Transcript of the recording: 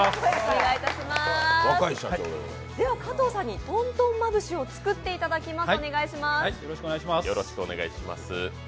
では加藤さんにとんとんまぶしを作っていただきます。